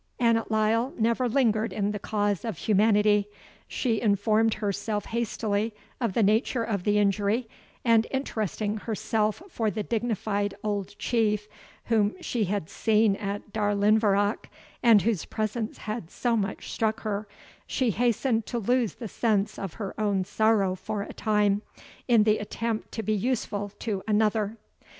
Annot Lyle never lingered in the cause of humanity. She informed herself hastily of the nature of the injury, and interesting herself for the dignified old Chief whom she had seen at Darnlinvarach, and whose presence had so much struck her, she hastened to lose the sense of her own sorrow for a time, in the attempt to be useful to another.